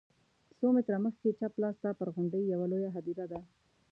څو متره مخکې چپ لاس ته پر غونډۍ یوه لویه هدیره ده.